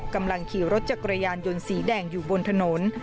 กำลังขี่รถจักรยานยนต์สีแดงอยู่บนถนน